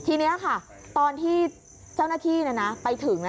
ทีนี้ค่ะตอนที่เจ้าหน้าที่ไปถึง